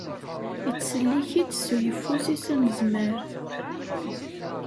Ittsellik-it s uyeffus-is anezmar.